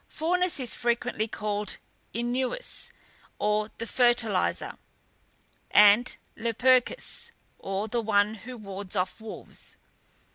Faunus is frequently called Inuus or the fertilizer, and Lupercus or the one who wards off wolves.